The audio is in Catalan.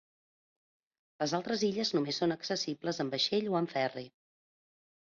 Les altres illes només són accessibles en vaixell o en ferri.